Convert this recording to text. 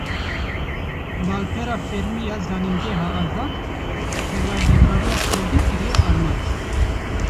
Malpera fermî ya Zanîngeha Azad, perwerdekariya Kurdî kiriye armanc